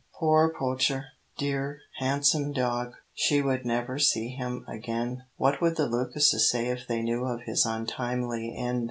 Poor Poacher dear, handsome dog! She would never see him again. What would the Lucases say if they knew of his untimely end?